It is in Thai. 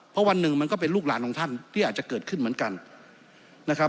เพราะวันหนึ่งมันก็เป็นลูกหลานของท่านที่อาจจะเกิดขึ้นเหมือนกันนะครับ